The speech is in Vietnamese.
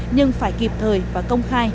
nhưng phải kịp thời và công khai